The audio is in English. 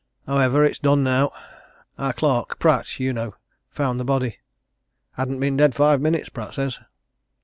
However; it's done, now. Our clerk Pratt, you know found the body. Hadn't been dead five minutes, Pratt says."